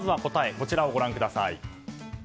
こちらをご覧ください。